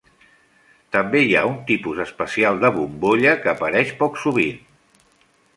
També hi ha un tipus especial de bombolla que apareix poc sovint.